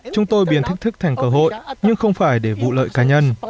chúng tôi biến thách thức thành cơ hội nhưng không phải để vụ lợi cá nhân